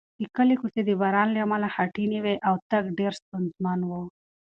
د کلي کوڅې د باران له امله خټینې وې او تګ ډېر ستونزمن و.